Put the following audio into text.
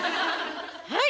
はい！